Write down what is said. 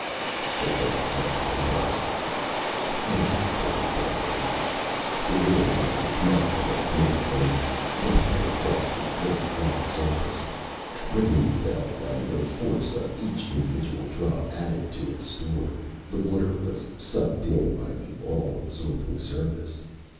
They walked back to the house. Everything fed the leech. The wind added its modicum of kinetic energy, ruffling across the gray black surface. Rain fell, and the force of each individual drop added to its store. The water was sucked in by the all absorbing surface.